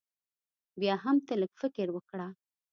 بيا هم تۀ لږ فکر وکړه